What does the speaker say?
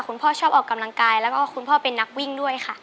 คุณพ่อชอบออกกำลังกายแล้วก็คุณพ่อเป็นนักวิ่งด้วยค่ะ